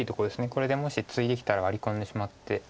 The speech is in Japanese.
これでもしツイできたらワリ込んでしまって。